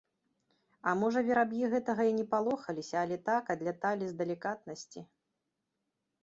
А можа, вераб'і гэтага і не палохаліся, але так адляталі, з далікатнасці.